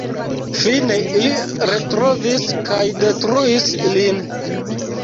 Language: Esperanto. Fine, ili retrovis kaj detruis ilin.